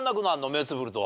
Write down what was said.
目つぶると。